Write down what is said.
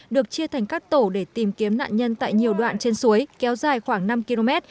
được chia thành các tổ để tìm kiếm nạn nhân tại nhiều đoạn trên suối kéo dài khoảng năm km